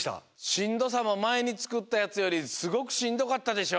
しんどさもまえにつくったやつよりすごくしんどかったでしょ？